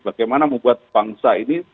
bagaimana membuat bangsa ini